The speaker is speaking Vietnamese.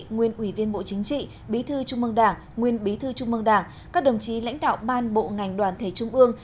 nguyên ủy viên bộ chính trị bí thư trung mương đảng nguyên bí thư trung mương đảng các đồng chí lãnh đạo ban bộ ngành đoàn thể trung ương